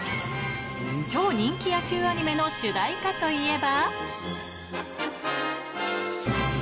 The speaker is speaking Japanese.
超人気野球アニメの主題歌といえば。